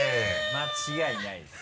間違いないです。